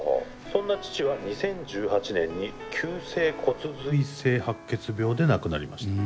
「そんな父は２０１８年に急性骨髄性白血病で亡くなりました」。